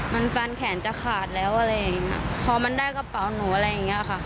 มันฟันแขนจะขาดแล้วอะไรอย่างเงี้ยพอมันได้กระเป๋าหนูอะไรอย่างเงี้ยค่ะ